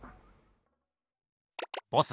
ボス